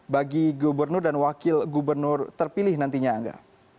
bagi gubernur dan wakil gubernur terpilih nantinya angga